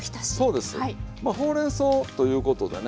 まあほうれんそうということでね